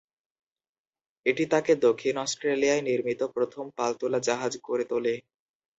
এটি তাকে দক্ষিণ অস্ট্রেলিয়ায় নির্মিত প্রথম পালতোলা জাহাজ করে তোলে।